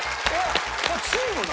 チームな？